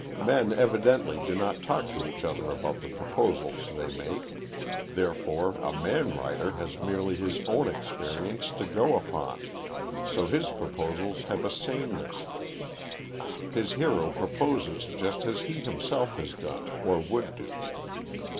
Men evidently do not talk to each other about the proposals they make, therefore a man writer has merely his own experience to go upon, so his proposals have a sameness his hero proposes just as he himself has done or would do.